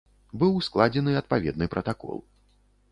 Быў складзены адпаведны пратакол.